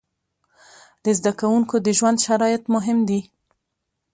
د زده کوونکو د ژوند شرایط مهم دي.